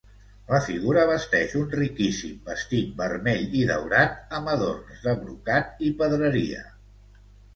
La figura vesteix un riquíssim vestit vermell i daurat, amb adorns de brocat i pedreria.